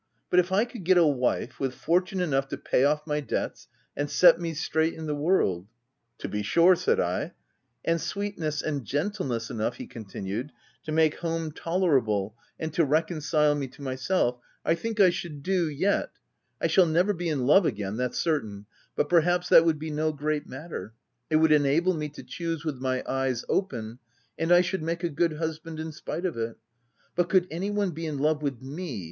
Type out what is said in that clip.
But if I could get a wife, with fortune enough to pay off my debts and set me straight in the world —'" 'To be sure/ said I. "• And sweetness and goodness enough/ he continued, * to make home tolerable, and to re concile me to myself, — I think I should do, yet. D 2 52 THE TENANT I shall never be in love again that's certain ; but perhaps that would be no great matter, it would enable me to choose with my eyes open, — and I should make a good husband in spite of it ; but could any one be in love with me